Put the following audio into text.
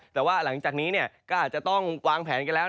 แต่ว่าหลังจากนี้ก็อาจจะต้องวางแผนกันแล้ว